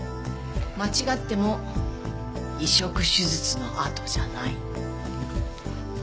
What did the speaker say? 間違っても移植手術の痕じゃない。